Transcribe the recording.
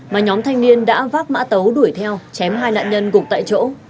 mà nhóm thanh niên đã vác mã tấu đuổi theo chém hai nạn nhân gục tại chỗ